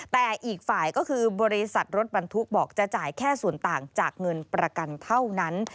แต่อีกฝ่ายก็คือบริษัทรถบรรทุกบอกจะจ่ายแค่ส่วนต่างจากเงินประกันเท่านั้น